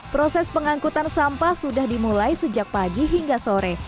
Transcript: proses pengangkutan sampah sudah dimulai sejak pagi hingga sore